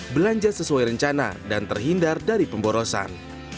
belanja sesuai rencana dan terhindar dari pemborosan